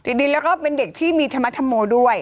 ดีแล้วก็เป็นเด็กที่มีธรรมธรรโมด้วย